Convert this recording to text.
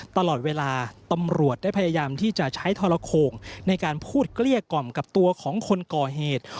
ตลอดเวลาตำรวจได้พยายามที่จะใช้ทรโข่งในการพูดเกลี้ยกล่อมกับตัวของคนก่อเหตุ